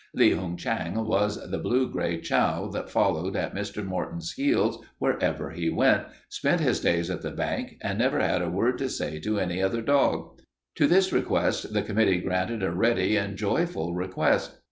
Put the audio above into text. Li Hung Chang was the blue gray chow that followed at Mr. Morton's heels wherever he went, spent his days at the bank, and never had a word to say to any other dog. To this request the committee granted a ready and joyful request.